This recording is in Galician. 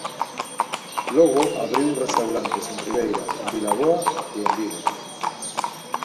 Logo abriu restaurantes en Ribeira, en Vilaboa e en Vigo.